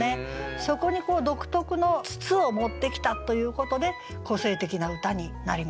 そこに独特の筒を持ってきたということで個性的な歌になりました。